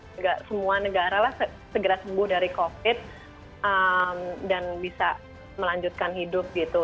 tidak semua negara lah segera sembuh dari covid dan bisa melanjutkan hidup gitu